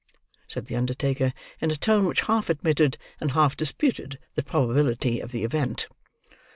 said the undertaker in a tone which half admitted and half disputed the probability of the event.